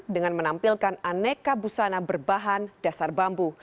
dengan menampilkan aneka busana berbahan dasar bambu